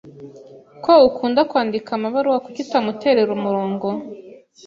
Ko ukunda kwandika amabaruwa, kuki utamuterera umurongo? )